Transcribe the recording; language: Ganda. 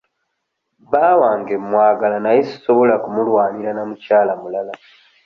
Bba wange mwagala naye sisobola kumulwanira na mukyala mulala.